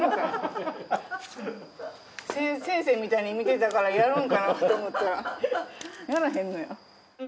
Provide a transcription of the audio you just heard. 先生みたいに見てたからやるんかなと思ったらやらへんのや。